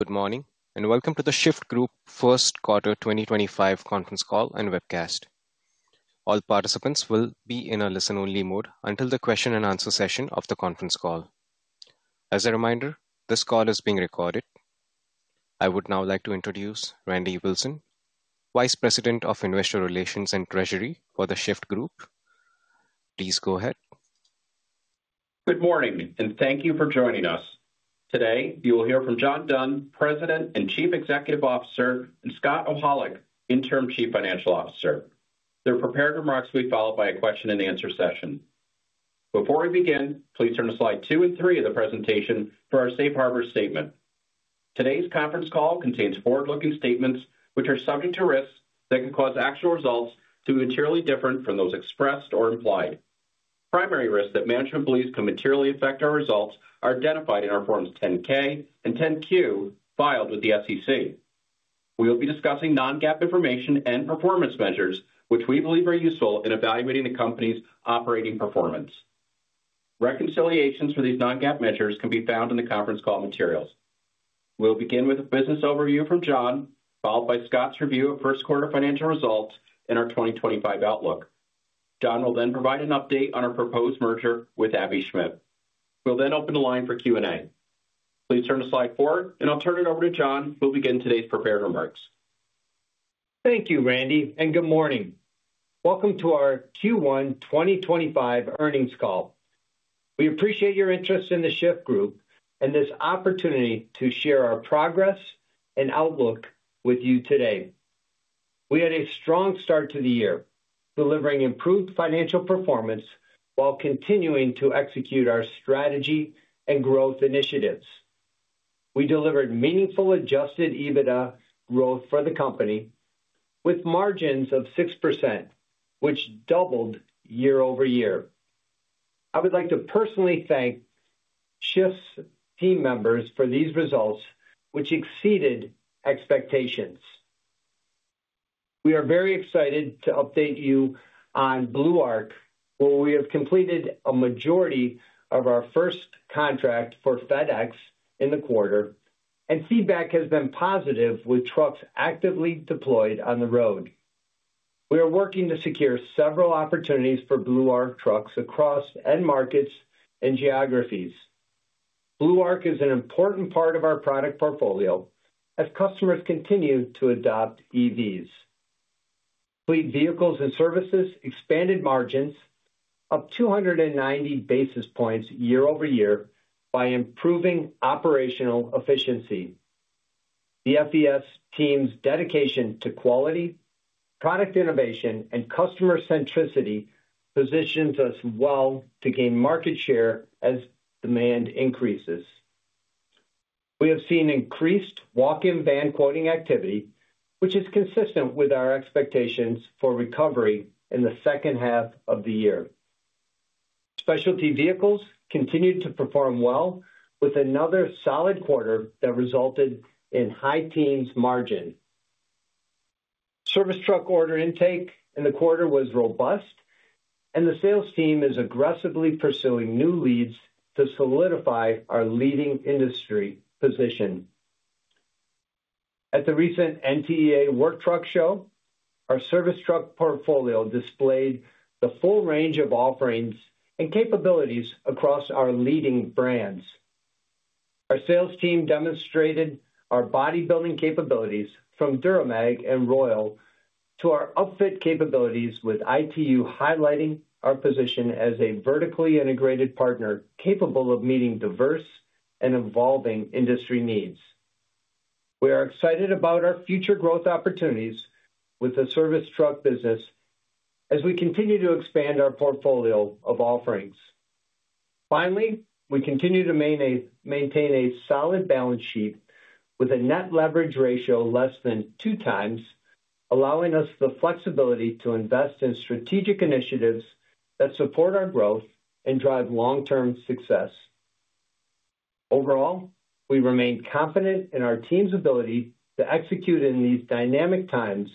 Good morning, and welcome to The Shyft Group first quarter 2025 conference call and webcast. All participants will be in a listen-only mode until the question-and-answer session of the conference call. As a reminder, this call is being recorded. I would now like to introduce Randy Wilson, Vice President of Investor Relations and Treasury for The Shyft Group. Please go ahead. Good morning, and thank you for joining us. Today, you will hear from John Dunn, President and Chief Executive Officer, and Scott Ocholik, Interim Chief Financial Officer. Their prepared remarks will be followed by a question-and-answer session. Before we begin, please turn to slide two and three of the presentation for our Safe Harbor Statement. Today's conference call contains forward-looking statements which are subject to risks that can cause actual results to be materially different from those expressed or implied. Primary risks that management believes can materially affect our results are identified in our Forms 10-K and 10-Q filed with the SEC. We will be discussing non-GAAP information and performance measures which we believe are useful in evaluating the company's operating performance. Reconciliations for these non-GAAP measures can be found in the conference call materials. We'll begin with a business overview from John, followed by Scott's review of first-quarter financial results and our 2025 outlook. John will then provide an update on our proposed merger with Aebi Schmidt. We'll then open the line for Q&A. Please turn to slide four, and I'll turn it over to John, who will begin today's prepared remarks. Thank you, Randy, and good morning. Welcome to our Q1 2025 earnings call. We appreciate your interest in The Shyft Group and this opportunity to share our progress and outlook with you today. We had a strong start to the year, delivering improved financial performance while continuing to execute our strategy and growth initiatives. We delivered meaningful adjusted EBITDA growth for the company with margins of 6%, which doubled year over year. I would like to personally thank Shyft's team members for these results, which exceeded expectations. We are very excited to update you on Blue Arc, where we have completed a majority of our first contract for FedEx in the quarter, and feedback has been positive with trucks actively deployed on the road. We are working to secure several opportunities for Blue Arc trucks across end markets and geographies. Blue Arc is an important part of our product portfolio as customers continue to adopt EVs. Fleet vehicles and services expanded margins up 290 basis points year over year by improving operational efficiency. The FES team's dedication to quality, product innovation, and customer centricity positions us well to gain market share as demand increases. We have seen increased walk-in van quoting activity, which is consistent with our expectations for recovery in the second half of the year. Specialty vehicles continued to perform well, with another solid quarter that resulted in high teens margin. Service truck order intake in the quarter was robust, and the sales team is aggressively pursuing new leads to solidify our leading industry position. At the recent NTEA Work Truck Show, our service truck portfolio displayed the full range of offerings and capabilities across our leading brands. Our sales team demonstrated our bodybuilding capabilities from DuraMag and Royal to our upfit capabilities with ITU, highlighting our position as a vertically integrated partner capable of meeting diverse and evolving industry needs. We are excited about our future growth opportunities with the service truck business as we continue to expand our portfolio of offerings. Finally, we continue to maintain a solid balance sheet with a net leverage ratio less than two times, allowing us the flexibility to invest in strategic initiatives that support our growth and drive long-term success. Overall, we remain confident in our team's ability to execute in these dynamic times,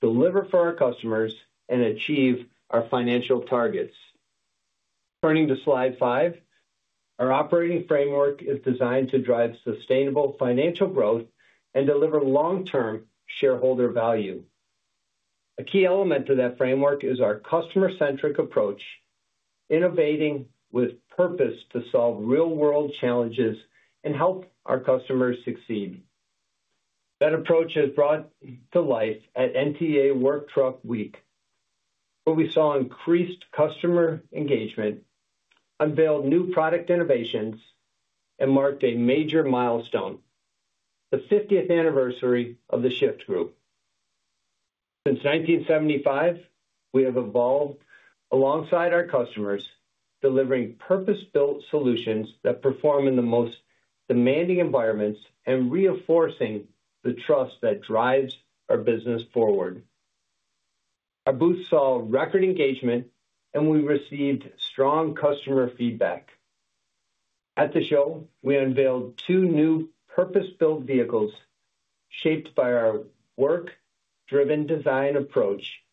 deliver for our customers, and achieve our financial targets. Turning to slide five, our operating framework is designed to drive sustainable financial growth and deliver long-term shareholder value. A key element of that framework is our customer-centric approach, innovating with purpose to solve real-world challenges and help our customers succeed. That approach has brought to life at NTEA Work Truck Week what we saw: increased customer engagement, unveiled new product innovations, and marked a major milestone: the 50th anniversary of The Shyft Group. Since 1975, we have evolved alongside our customers, delivering purpose-built solutions that perform in the most demanding environments and reinforcing the trust that drives our business forward. Our booth saw record engagement, and we received strong customer feedback. At the show, we unveiled two new purpose-built vehicles shaped by our work-driven design approach,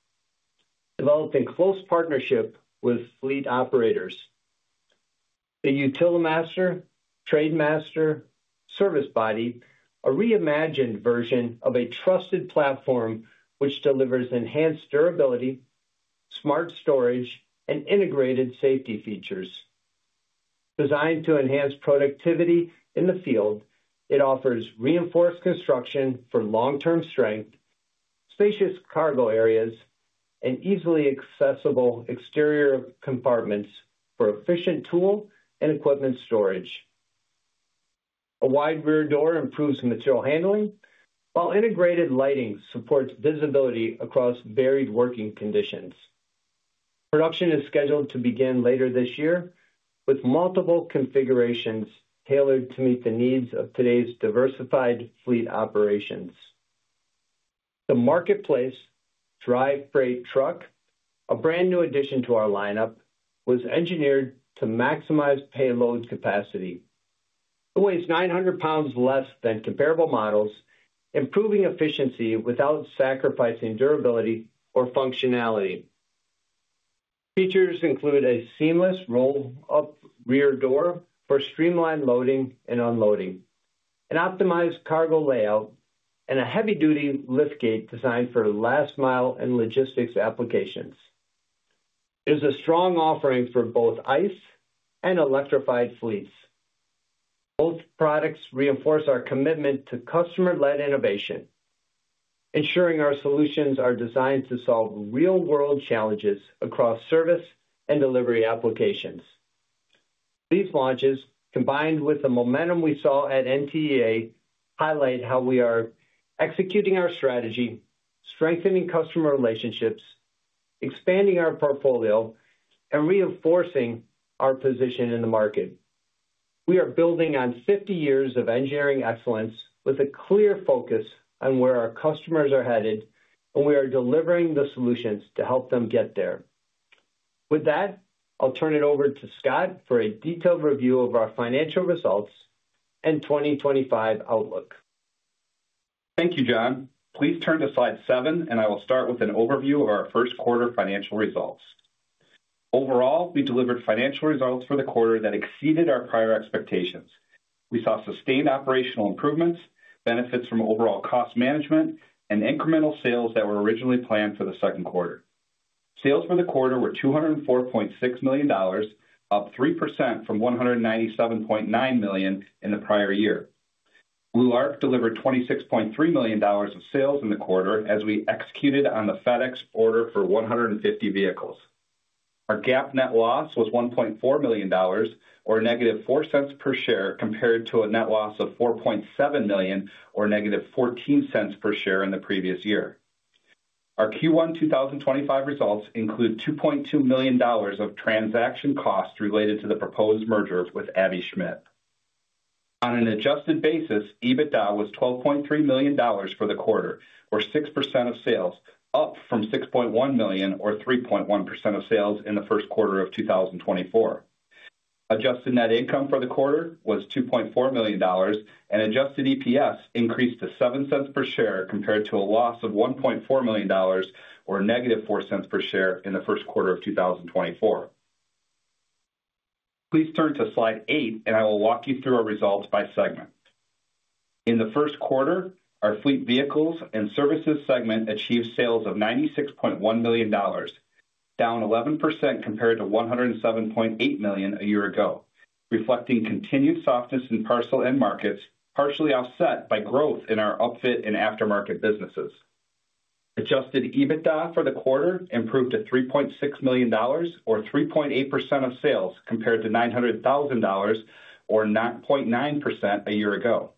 developed in close partnership with fleet operators. The Utilimaster Trademaster Service Body is a reimagined version of a trusted platform which delivers enhanced durability, smart storage, and integrated safety features. Designed to enhance productivity in the field, it offers reinforced construction for long-term strength, spacious cargo areas, and easily accessible exterior compartments for efficient tool and equipment storage. A wide rear door improves material handling, while integrated lighting supports visibility across varied working conditions. Production is scheduled to begin later this year with multiple configurations tailored to meet the needs of today's diversified fleet operations. The Marketplace Drive Freight Truck, a brand new addition to our lineup, was engineered to maximize payload capacity. It weighs 900 pounds less than comparable models, improving efficiency without sacrificing durability or functionality. Features include a seamless roll-up rear door for streamlined loading and unloading, an optimized cargo layout, and a heavy-duty liftgate designed for last-mile and logistics applications. It is a strong offering for both ICE and electrified fleets. Both products reinforce our commitment to customer-led innovation, ensuring our solutions are designed to solve real-world challenges across service and delivery applications. These launches, combined with the momentum we saw at NTEA, highlight how we are executing our strategy, strengthening customer relationships, expanding our portfolio, and reinforcing our position in the market. We are building on 50 years of engineering excellence with a clear focus on where our customers are headed, and we are delivering the solutions to help them get there. With that, I'll turn it over to Scott for a detailed review of our financial results and 2025 outlook. Thank you, John. Please turn to slide seven, and I will start with an overview of our first-quarter financial results. Overall, we delivered financial results for the quarter that exceeded our prior expectations. We saw sustained operational improvements, benefits from overall cost management, and incremental sales that were originally planned for the second quarter. Sales for the quarter were $204.6 million, up 3% from $197.9 million in the prior year. Blue Arc delivered $26.3 million of sales in the quarter as we executed on the FedEx order for 150 vehicles. Our GAAP net loss was $1.4 million, or negative $0.04 per share, compared to a net loss of $4.7 million, or negative $0.14 per share in the previous year. Our Q1 2025 results include $2.2 million of transaction costs related to the proposed merger with Aebi Schmidt. On an adjusted basis, EBITDA was $12.3 million for the quarter, or 6% of sales, up from $6.1 million, or 3.1% of sales, in the first quarter of 2024. Adjusted net income for the quarter was $2.4 million, and adjusted EPS increased to $0.07 per share compared to a loss of $1.4 million, or negative $0.04 per share in the first quarter of 2024. Please turn to slide eight, and I will walk you through our results by segment. In the first quarter, our fleet vehicles and services segment achieved sales of $96.1 million, down 11% compared to $107.8 million a year ago, reflecting continued softness in parcel end markets, partially offset by growth in our upfit and aftermarket businesses. Adjusted EBITDA for the quarter improved to $3.6 million, or 3.8% of sales, compared to $900,000, or 9.9% a year ago,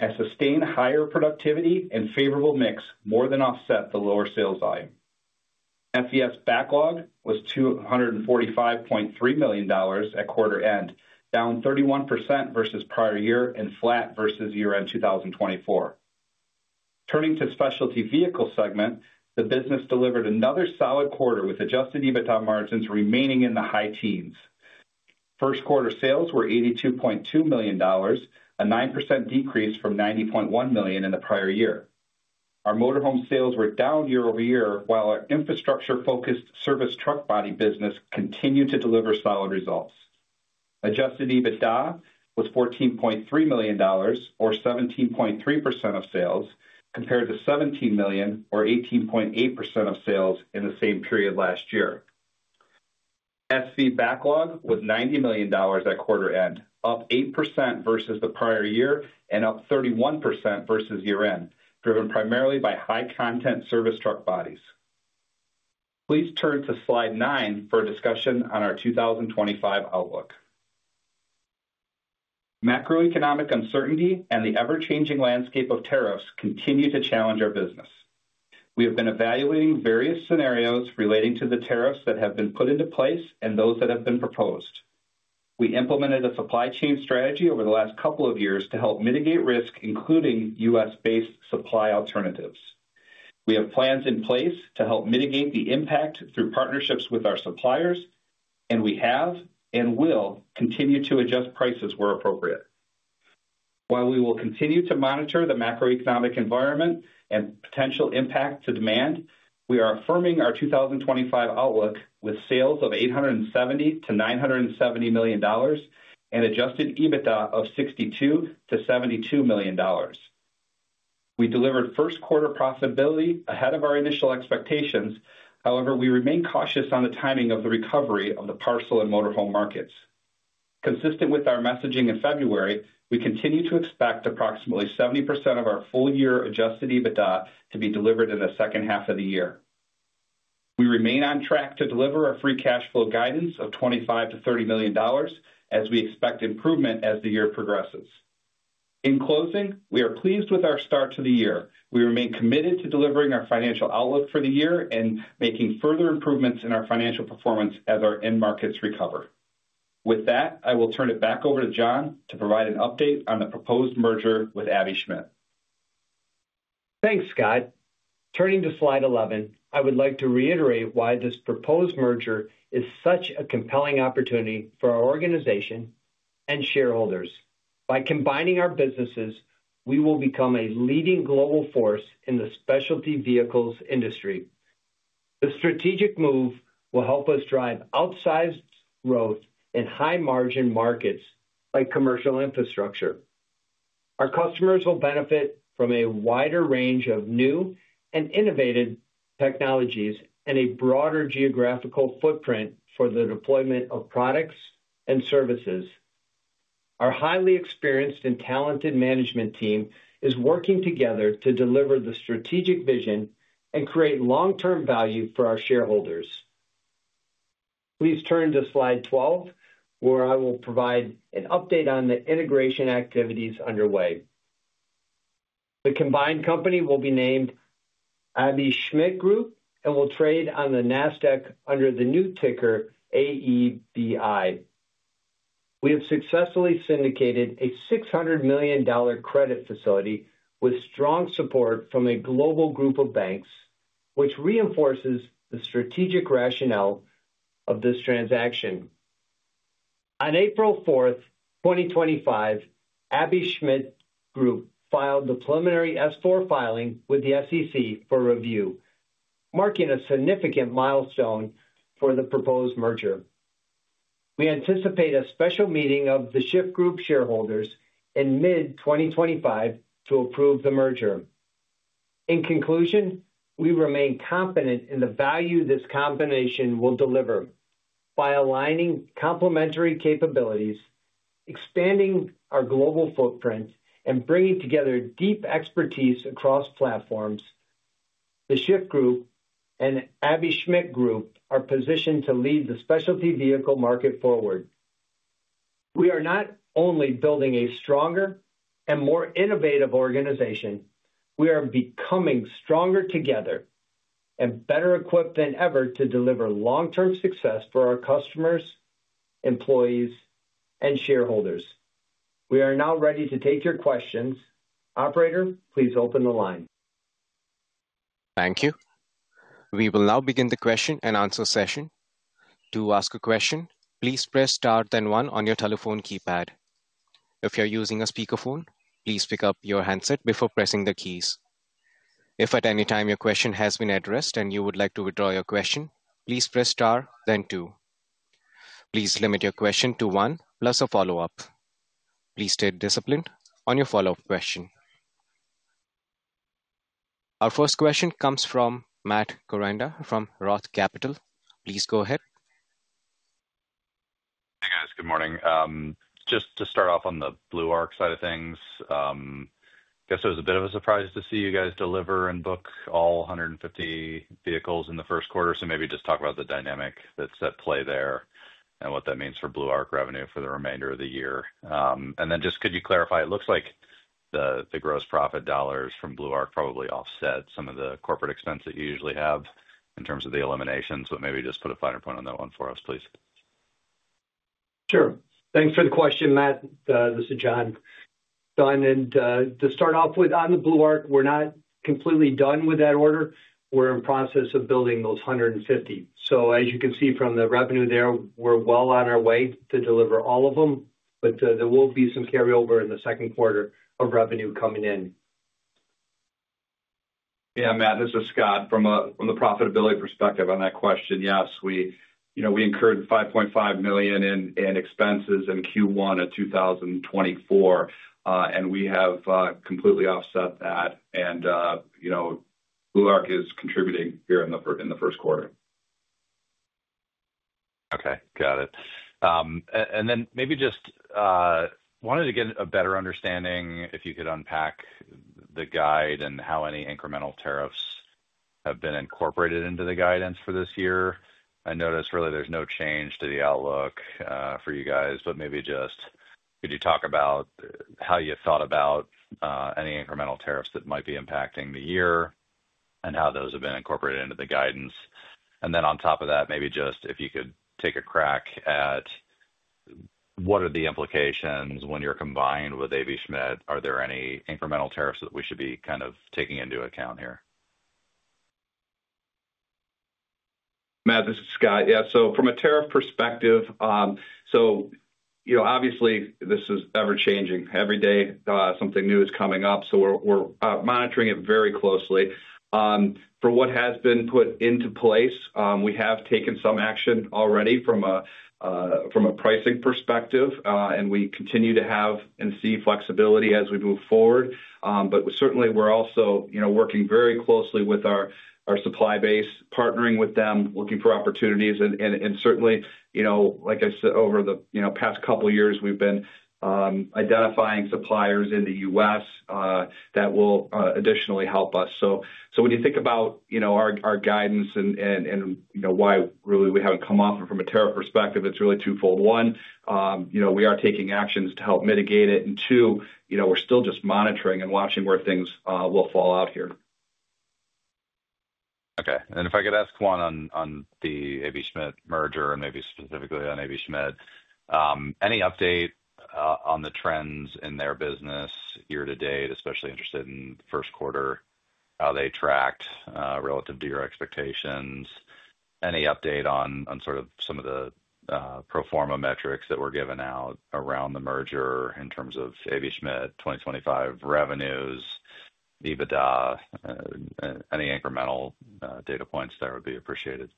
as sustained higher productivity and favorable mix more than offset the lower sales volume. FES backlog was $245.3 million at quarter end, down 31% versus prior year and flat versus year-end 2024. Turning to specialty vehicle segment, the business delivered another solid quarter with adjusted EBITDA margins remaining in the high teens. First-quarter sales were $82.2 million, a 9% decrease from $90.1 million in the prior year. Our motorhome sales were down year over year, while our infrastructure-focused service truck body business continued to deliver solid results. Adjusted EBITDA was $14.3 million, or 17.3% of sales, compared to $17 million, or 18.8% of sales in the same period last year. SV backlog was $90 million at quarter end, up 8% versus the prior year and up 31% versus year-end, driven primarily by high-content service truck bodies. Please turn to slide nine for a discussion on our 2025 outlook. Macroeconomic uncertainty and the ever-changing landscape of tariffs continue to challenge our business. We have been evaluating various scenarios relating to the tariffs that have been put into place and those that have been proposed. We implemented a supply chain strategy over the last couple of years to help mitigate risk, including U.S.-based supply alternatives. We have plans in place to help mitigate the impact through partnerships with our suppliers, and we have and will continue to adjust prices where appropriate. While we will continue to monitor the macroeconomic environment and potential impact to demand, we are affirming our 2025 outlook with sales of $870-$970 million and adjusted EBITDA of $62-$72 million. We delivered first-quarter profitability ahead of our initial expectations. However, we remain cautious on the timing of the recovery of the parcel and motorhome markets. Consistent with our messaging in February, we continue to expect approximately 70% of our full-year adjusted EBITDA to be delivered in the second half of the year. We remain on track to deliver a free cash flow guidance of $25-$30 million as we expect improvement as the year progresses. In closing, we are pleased with our start to the year. We remain committed to delivering our financial outlook for the year and making further improvements in our financial performance as our end markets recover. With that, I will turn it back over to John to provide an update on the proposed merger with Aebi Schmidt. Thanks, Scott. Turning to slide 11, I would like to reiterate why this proposed merger is such a compelling opportunity for our organization and shareholders. By combining our businesses, we will become a leading global force in the specialty vehicles industry. The strategic move will help us drive outsized growth in high-margin markets like commercial infrastructure. Our customers will benefit from a wider range of new and innovative technologies and a broader geographical footprint for the deployment of products and services. Our highly experienced and talented management team is working together to deliver the strategic vision and create long-term value for our shareholders. Please turn to slide 12, where I will provide an update on the integration activities underway. The combined company will be named Aebi Schmidt Group and will trade on the NASDAQ under the new ticker AEBI. We have successfully syndicated a $600 million credit facility with strong support from a global group of banks, which reinforces the strategic rationale of this transaction. On April 4, 2025, Aebi Schmidt Group filed the preliminary S-4 filing with the SEC for review, marking a significant milestone for the proposed merger. We anticipate a special meeting of The Shyft Group shareholders in mid-2025 to approve the merger. In conclusion, we remain confident in the value this combination will deliver by aligning complementary capabilities, expanding our global footprint, and bringing together deep expertise across platforms. The Shyft Group and Aebi Schmidt Group are positioned to lead the specialty vehicle market forward. We are not only building a stronger and more innovative organization; we are becoming stronger together and better equipped than ever to deliver long-term success for our customers, employees, and shareholders. We are now ready to take your questions. Operator, please open the line. Thank you. We will now begin the question and answer session. To ask a question, please press star then one on your telephone keypad. If you're using a speakerphone, please pick up your handset before pressing the keys. If at any time your question has been addressed and you would like to withdraw your question, please press star then two. Please limit your question to one plus a follow-up. Please stay disciplined on your follow-up question. Our first question comes from Matt Koranda from Roth Capital. Please go ahead. Hey, guys. Good morning. Just to start off on the Blue Arc side of things, I guess it was a bit of a surprise to see you guys deliver and book all 150 vehicles in the first quarter. Maybe just talk about the dynamic that's at play there and what that means for Blue Arc revenue for the remainder of the year. Could you clarify? It looks like the gross profit dollars from Blue Arc probably offset some of the corporate expense that you usually have in terms of the eliminations. Maybe just put a finer point on that one for us, please. Sure. Thanks for the question, Matt. This is John. John, and to start off with, on the Blue Arc, we're not completely done with that order. We're in process of building those 150. As you can see from the revenue there, we're well on our way to deliver all of them, but there will be some carryover in the second quarter of revenue coming in. Yeah, Matt. This is Scott from the profitability perspective on that question. Yes, we incurred $5.5 million in expenses in Q1 of 2024, and we have completely offset that. Blue Arc is contributing here in the first quarter. Okay. Got it. Maybe just wanted to get a better understanding if you could unpack the guide and how any incremental tariffs have been incorporated into the guidance for this year. I noticed really there's no change to the outlook for you guys, but maybe just could you talk about how you thought about any incremental tariffs that might be impacting the year and how those have been incorporated into the guidance? On top of that, maybe just if you could take a crack at what are the implications when you're combined with Aebi Schmidt? Are there any incremental tariffs that we should be kind of taking into account here? Matt, this is Scott. Yeah. From a tariff perspective, obviously this is ever-changing. Every day something new is coming up, so we're monitoring it very closely. For what has been put into place, we have taken some action already from a pricing perspective, and we continue to have and see flexibility as we move forward. Certainly, we're also working very closely with our supply base, partnering with them, looking for opportunities. Certainly, like I said, over the past couple of years, we've been identifying suppliers in the U.S. that will additionally help us. When you think about our guidance and why really we haven't come off it from a tariff perspective, it's really twofold. One, we are taking actions to help mitigate it. Two, we're still just monitoring and watching where things will fall out here. Okay. If I could ask one on the Aebi Schmidt merger and maybe specifically on Aebi Schmidt, any update on the trends in their business year to date? Especially interested in first quarter, how they tracked relative to your expectations. Any update on sort of some of the pro forma metrics that were given out around the merger in terms of Aebi Schmidt 2025 revenues, EBITDA, any incremental data points there would be appreciated?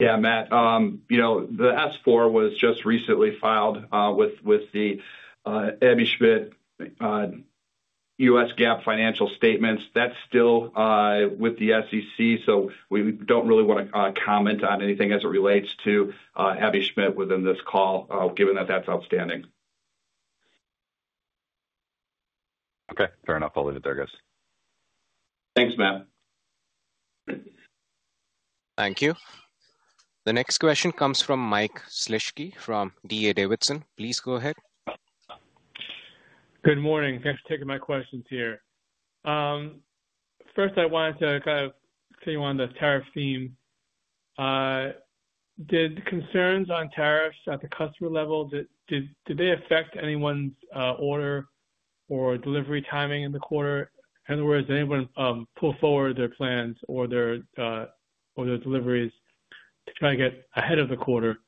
Yeah, Matt. The S-4 was just recently filed with the Aebi Schmidt U.S. GAAP financial statements. That's still with the SEC, so we don't really want to comment on anything as it relates to Aebi Schmidt within this call, given that that's outstanding. Okay. Fair enough. I'll leave it there, guys. Thanks, Matt. Thank you. The next question comes from Mike Shlisky from D.A. Davidson. Please go ahead. Good morning. Thanks for taking my questions here. First, I wanted to kind of continue on the tariff theme. Did concerns on tariffs at the customer level, did they affect anyone's order or delivery timing in the quarter? In other words, did anyone pull forward their plans or their deliveries to try to get ahead of the quarter?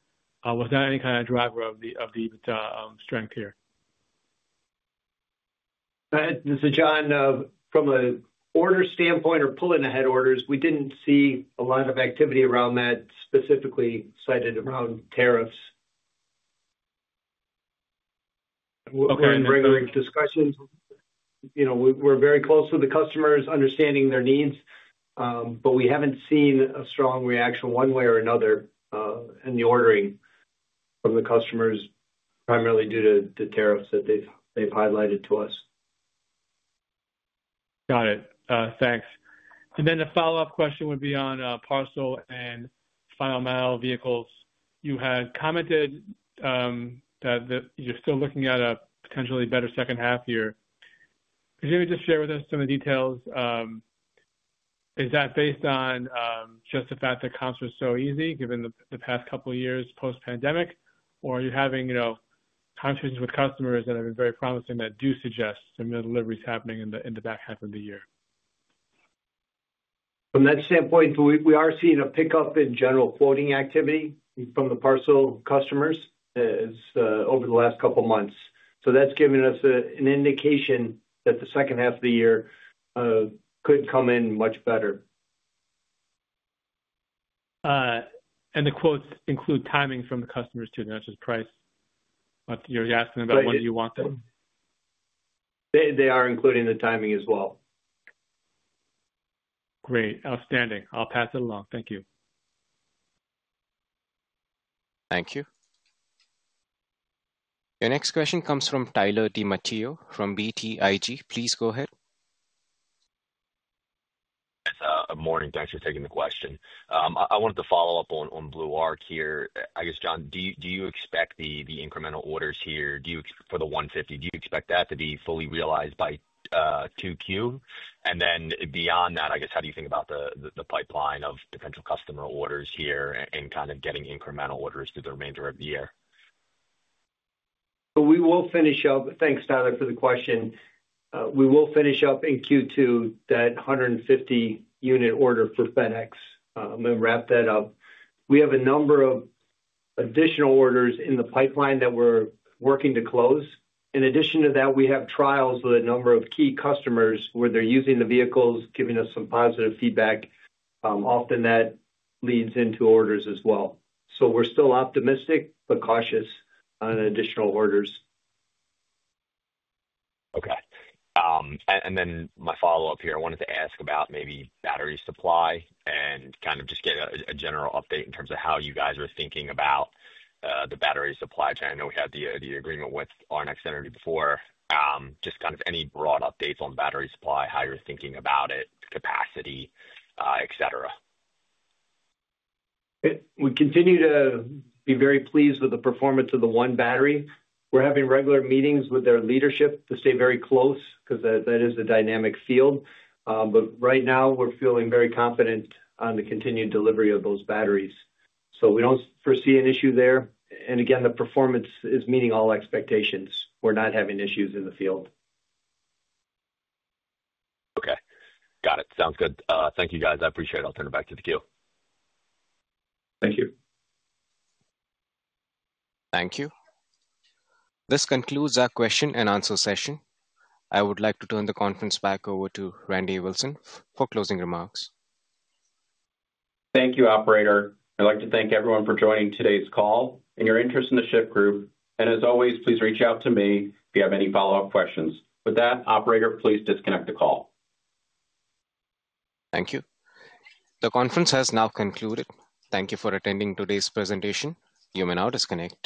Was that any kind of driver of the strength here? This is John. From an order standpoint or pulling ahead orders, we did not see a lot of activity around that, specifically cited around tariffs. We are in regular discussions. We are very close with the customers, understanding their needs, but we have not seen a strong reaction one way or another in the ordering from the customers, primarily due to the tariffs that they have highlighted to us. Got it. Thanks. The follow-up question would be on parcel and final mile vehicles. You had commented that you're still looking at a potentially better second half year. Could you maybe just share with us some of the details? Is that based on just the fact that comps were so easy given the past couple of years post-pandemic, or are you having conversations with customers that have been very promising that do suggest some deliveries happening in the back half of the year? From that standpoint, we are seeing a pickup in general quoting activity from the parcel customers over the last couple of months. That is giving us an indication that the second half of the year could come in much better. The quotes include timing from the customers too, not just price. You're asking about when do you want them? They are including the timing as well. Great. Outstanding. I'll pass it along. Thank you. Thank you. The next question comes from Tyler DiMatteo from BTIG. Please go ahead. Yes. Morning. Thanks for taking the question. I wanted to follow up on Blue Arc here. I guess, John, do you expect the incremental orders here for the 150, do you expect that to be fully realized by Q2? And then beyond that, I guess, how do you think about the pipeline of potential customer orders here and kind of getting incremental orders through the remainder of the year? We will finish up. Thanks, Tyler, for the question. We will finish up in Q2 that 150-unit order for FedEx and wrap that up. We have a number of additional orders in the pipeline that we're working to close. In addition to that, we have trials with a number of key customers where they're using the vehicles, giving us some positive feedback. Often that leads into orders as well. We're still optimistic but cautious on additional orders. Okay. My follow-up here, I wanted to ask about maybe battery supply and kind of just get a general update in terms of how you guys are thinking about the battery supply chain. I know we had the agreement with Our Next Energy before. Just kind of any broad updates on battery supply, how you're thinking about it, capacity, etc. We continue to be very pleased with the performance of the one battery. We're having regular meetings with their leadership to stay very close because that is a dynamic field. Right now, we're feeling very confident on the continued delivery of those batteries. We do not foresee an issue there. Again, the performance is meeting all expectations. We're not having issues in the field. Okay. Got it. Sounds good. Thank you, guys. I appreciate it. I'll turn it back to the queue. Thank you. Thank you. This concludes our question and answer session. I would like to turn the conference back over to Randy Wilson for closing remarks. Thank you, Operator. I'd like to thank everyone for joining today's call and your interest in The Shyft Group. As always, please reach out to me if you have any follow-up questions. With that, Operator, please disconnect the call. Thank you. The conference has now concluded. Thank you for attending today's presentation. You may now disconnect.